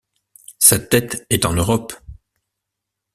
Sa tête est en Europe!